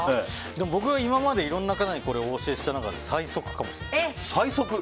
僕、今までいろんな方に教えた中で最速かもしれないです。